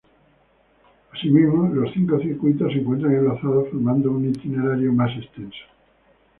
Asimismo, los cinco circuitos se encuentran enlazados formando un itinerario más extenso.